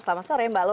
selamat sore mbak lola